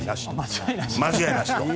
間違いなしと。